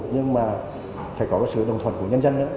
nhưng mà phải có sự đồng thuận của nhân dân nữa